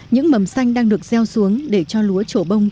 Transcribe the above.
những mầm xanh đang được gieo xuống để cho lúa trổ bông